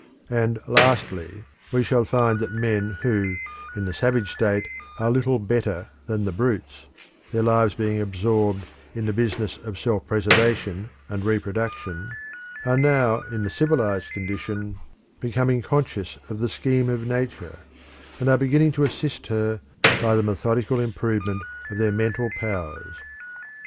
And lastly, we shall find that men who, in the savage state, are little better than the brutes, their lives being absorbed in the business of self preservation and reproduction, are now in the civilised condition becoming conscious of the scheme of Nature, and are beginning to assist her by the methodical improvement of their mental powers.